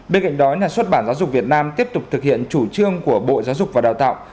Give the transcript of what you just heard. bên cạnh đó nhà xuất bản giáo dục việt nam tiếp tục thực hiện chủ trương của bộ giáo dục và đào tạo